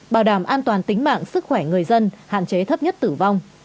bảo đảm an toàn tính mạng sức khỏe người dân hạn chế thấp nhất tử vong